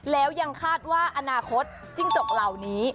แล้วยังคาดว่าอนาคตจิ้งจกเหล่านี้